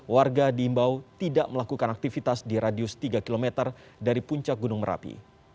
warga diimbau tidak melakukan aktivitas di radius tiga km dari puncak gunung merapi